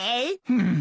うん？